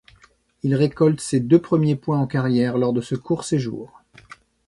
Il récolte ses deux premiers points en carrière lors de ce court séjours.